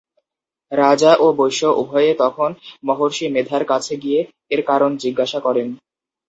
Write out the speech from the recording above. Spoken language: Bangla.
রাজা ও বৈশ্য উভয়ে তখন মহর্ষি মেধার কাছে গিয়ে এর কারণ জিজ্ঞাসা করেন।